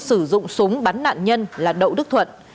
sử dụng súng bắn nạn nhân là đậu đức thuận